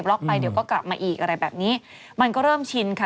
็อกไปเดี๋ยวก็กลับมาอีกอะไรแบบนี้มันก็เริ่มชินค่ะ